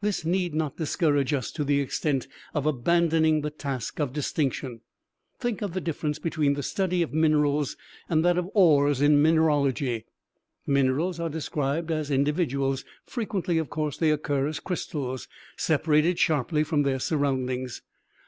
This need not discourage us to the extent of abandoning the task of distinction. Think of the difference between the study of minerals and that of ores in mineralogy. Minerals are described as individuals; frequently of course they occur as crystals, separated sharply from their surroundings.